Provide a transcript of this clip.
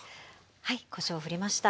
はいこしょうふりました。